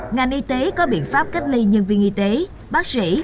ngành y tế có biện pháp cách ly nhân viên y tế bác sĩ